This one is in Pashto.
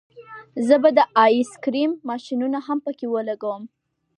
زه به د آیس کریم ماشینونه هم پکې ولګوم